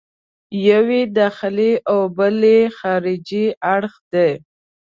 یو یې داخلي او بل یې خارجي اړخ دی.